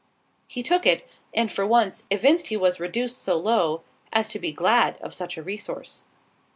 He took it—and for once, evinced he was reduced so low, as to be glad of such a resource.